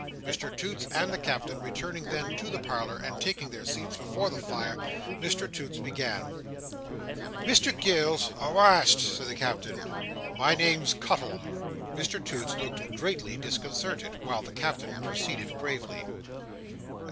Mr Toots and the Captain returning then to the parlour, and taking their seats before the fire, Mr Toots began: "Mr Gills—" "Awast!" said the Captain. "My name's Cuttle." Mr Toots looked greatly disconcerted, while the Captain proceeded gravely.